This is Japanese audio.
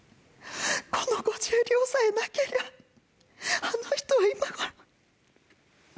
この５０両さえなけりゃあの人は今ごろ。